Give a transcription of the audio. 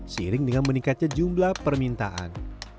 seiring dengan meningkatnya jumlah permintaan